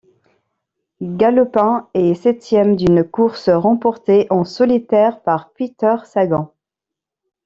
Gallopin est septième d'une course remportée en solitaire par Peter Sagan.